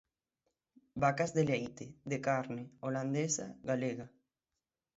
Vacas de leite, de carne, holandesa, galega.